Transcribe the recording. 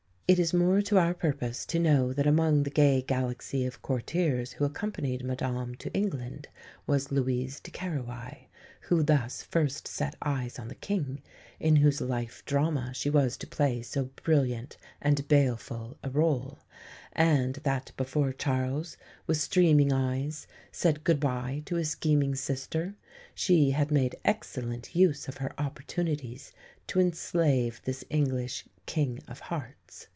It is more to our purpose to know that among the gay galaxy of courtiers who accompanied Madame to England was Louise de Querouaille, who thus first set eyes on the King, in whose life drama she was to play so brilliant and baleful a rôle; and that before Charles, with streaming eyes, said "good bye" to his scheming sister, she had made excellent use of her opportunities to enslave this English "King of Hearts."